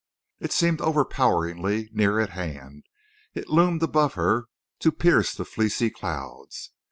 It seemed overpoweringly near at hand. It loomed above her to pierce the fleecy clouds.